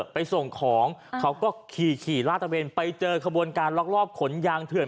ไปส่งของเขาก็ขี่ลาดตะเวนไปเจอขบวนการลักลอบขนยางเถื่อน